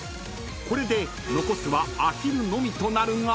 ［これで残すはアヒルのみとなるが］